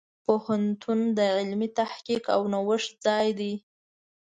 پوهنتون د علمي تحقیق او نوښت ځای دی.